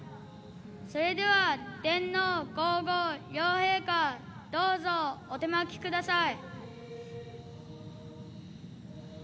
それでは、天皇皇后両陛下どうぞお手播きください。